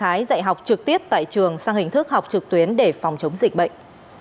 trạng thái dạy học trực tiếp tại trường sang hình thức học trực tuyến để phòng chống dịch bệnh